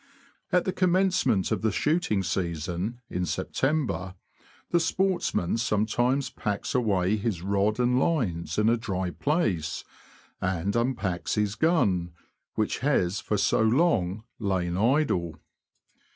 At the commencement of the shooting season, in September, the sportsman sometimes packs away his rod and lines in a dry place, and unpacks his gun, which has for so long lain idle.